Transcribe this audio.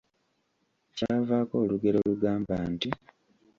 Kyavaako olugero olugamba nti?